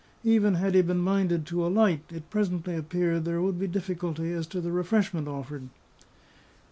Even had he been minded to alight, it presently appeared there would be difficulty as to the refreshment offered.